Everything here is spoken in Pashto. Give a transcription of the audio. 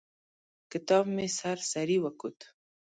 کتاب مې سر سري وکوت.